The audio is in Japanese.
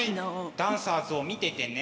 ダンサーズを見ててね。